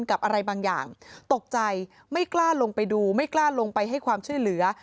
อะไรบางอย่างตกใจไม่กล้าลงไปดูไม่กล้าลงไปให้ความช่วยเหลือ